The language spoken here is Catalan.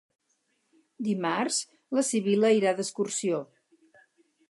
Dimarts na Sibil·la irà d'excursió.